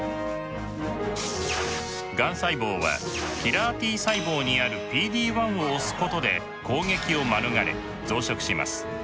がん細胞はキラーＴ細胞にあるＰＤ−１を押すことで攻撃を免れ増殖します。